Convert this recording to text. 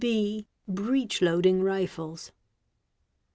Breech loading rifles.